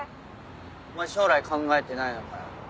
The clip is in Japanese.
お前将来考えてないのかよ。